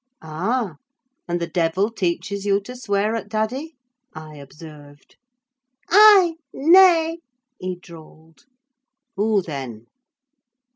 "Ah! and the devil teaches you to swear at daddy?" I observed. "Ay—nay," he drawled. "Who, then?"